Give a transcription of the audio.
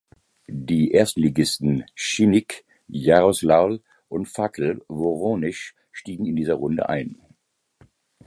Die Erstligisten Schinnik Jaroslawl und Fakel Woronesch stiegen in dieser Runde ein.